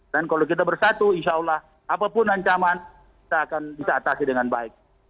dan kalau kita bersatu insya allah apapun ancaman kita akan bisa atasi dengan baik